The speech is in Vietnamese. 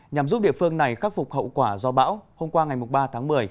nhằm giúp địa phương này khắc phục hậu quả do bão hôm qua ngày ba tháng một mươi